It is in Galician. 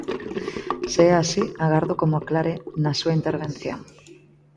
Se é así, agardo que mo aclare na súa intervención.